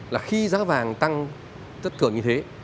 là khi giá vàng tăng rất thường như thế